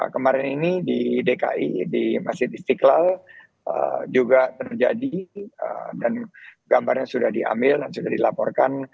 kemarin ini di dki di masjid istiqlal juga terjadi dan gambarnya sudah diambil dan sudah dilaporkan